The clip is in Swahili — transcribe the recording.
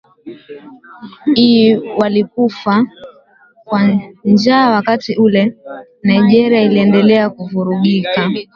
i walikufa kwa njaa wakati ule Nigeria iliendelea kuvurugika